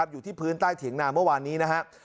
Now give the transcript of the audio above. อยู่ที่พื้นใต้เถียงนาเมื่อวานนี้นะครับ